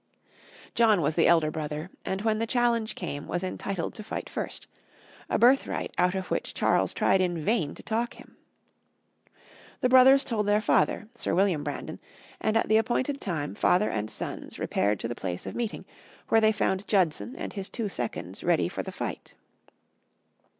John was the elder brother, and when the challenge came was entitled to fight first, a birthright out of which Charles tried in vain to talk him. The brothers told their father, Sir William Brandon, and at the appointed time father and sons repaired to the place of meeting, where they found Judson and his two seconds ready for the fight.